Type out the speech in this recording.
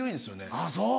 あぁそう。